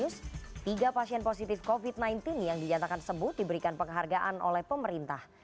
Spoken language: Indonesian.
tiga pasien positif covid sembilan belas yang dinyatakan sebut diberikan penghargaan oleh pemerintah